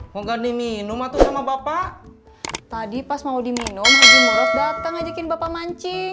mau ganti minum atau sama bapak tadi pas mau diminum haji murad batang ajakin bapak mancing